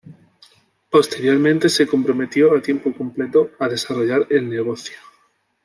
Posteriormente, se comprometió, a tiempo completo, a desarrollar el negocio.